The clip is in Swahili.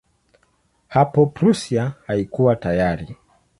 Hapo Prussia haikuwa tayari.